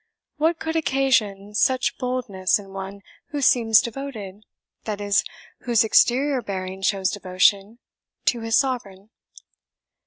"What could occasion such boldness in one who seems devoted that is, whose exterior bearing shows devotion to his Sovereign?"